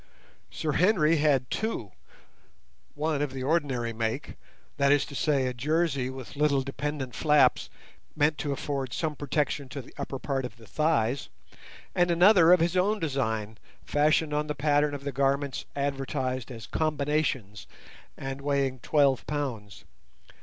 Sir Henry had two, one of the ordinary make, viz. a jersey with little dependent flaps meant to afford some protection to the upper part of the thighs, and another of his own design fashioned on the pattern of the garments advertised as "combinations" and weighing twelve pounds.